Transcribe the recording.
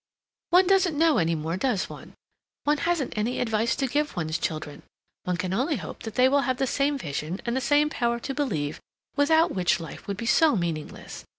"One doesn't know any more, does one? One hasn't any advice to give one's children. One can only hope that they will have the same vision and the same power to believe, without which life would be so meaningless.